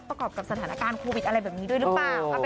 ประกอบกับสถานการณ์โควิดอะไรแบบนี้ด้วยหรือเปล่า